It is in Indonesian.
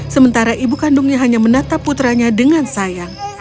sementara ibu kandungnya hanya menatap putranya dengan sayang